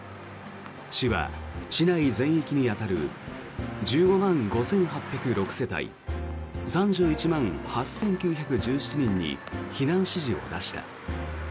市は、市内全域に当たる１５万５８０６世帯３１万８９１７人に避難指示を出した。